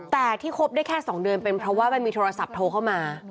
แต่ที่คบได้แค่๒เดือนเป็นเพราะว่ามันมีโทรศัพท์โทรเข้ามา